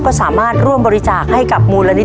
ก็สามารถร่วมบริจาคให้กับมูลนิธิ